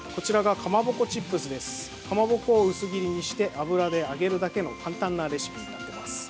かまぼこを薄切りにして、油で揚げるだけの簡単なレシピです。